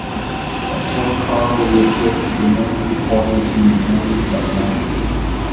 Lachele Carl reappears as the American reporter seen in "Aliens of London".